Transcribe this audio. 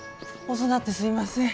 遅なってすいません。